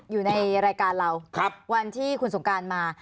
อยู่ในรายการเราวันที่คุณสงการมา